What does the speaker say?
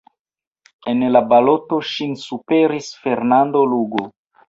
En la baloto ŝin superis Fernando Lugo.